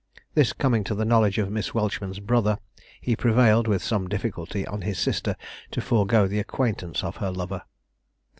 This coming to the knowledge of Miss Welchman's brother, he prevailed, with some difficulty, on his sister to forego the acquaintance of her lover.